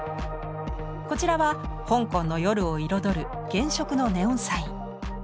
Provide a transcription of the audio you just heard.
こちらは香港の夜を彩る原色のネオンサイン。